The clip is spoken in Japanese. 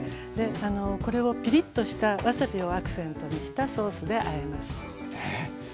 これをピリッとしたわさびをアクセントにしたソースであえます。